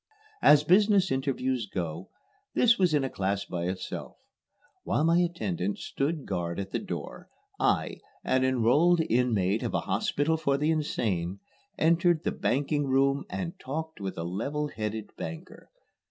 As business interviews go, this was in a class by itself. While my attendant stood guard at the door, I, an enrolled inmate of a hospital for the insane, entered the banking room and talked with a level headed banker.